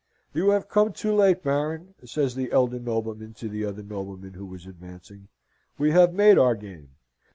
"You have come too late, Baron," says the elder nobleman to the other nobleman who was advancing. "We have made our game.